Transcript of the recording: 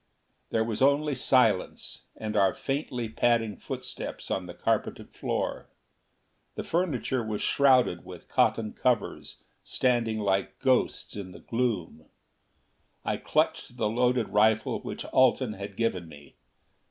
There was only silence, and our faintly padding footsteps on the carpeted floor. The furniture was shrouded with cotton covers standing like ghosts in the gloom. I clutched the loaded rifle which Alten had given me.